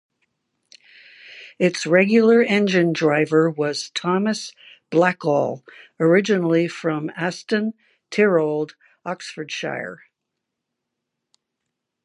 Its regular engine driver was Thomas Blackall, originally from Aston Tirrold, Oxfordshire.